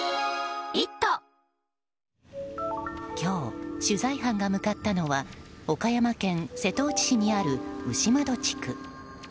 今日、取材班が向かったのは岡山県瀬戸内市にある牛窓地区。